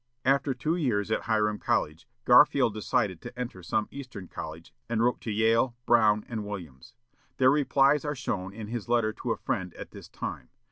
After two years at Hiram College, Garfield decided to enter some eastern college, and wrote to Yale, Brown, and Williams. Their replies are shown in his letter to a friend at this time.